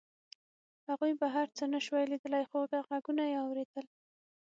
هغوی بهر څه نشوای لیدلی خو غږونه یې اورېدل